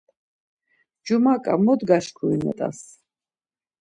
Cumaǩa, mot gaşkurinet̆as!